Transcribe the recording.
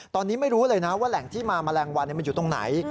ตอนนี้ไม่รู้เลยนะว่าแหล่งที่มาแมลงวันมันอยู่ตรงไหน